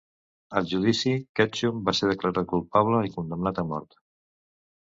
Al judici, Ketchum va ser declarat culpable i condemnat a mort.